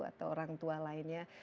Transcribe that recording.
atau orang tua lainnya